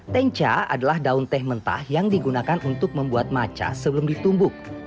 tencha adalah daun teh mentah yang digunakan untuk membuat maca sebelum ditumbuk